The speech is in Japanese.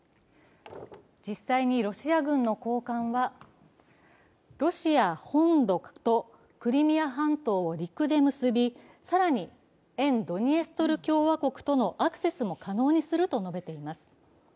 実際にロシア軍の高官は、ロシア本国とクリミア半島を陸で結び、更に沿ドニエストル共和国とのアクセスも可能にすると述べています。